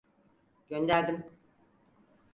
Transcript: Gönderdim.